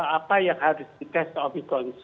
apa yang harus di test omikron